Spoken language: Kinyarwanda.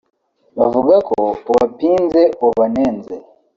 bavuga ko ubapinze ubanenze